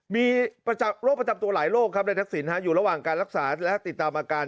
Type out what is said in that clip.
มีโรคประจำตัวหลายโรคครับในทักษิณอยู่ระหว่างการรักษาและติดตามอาการ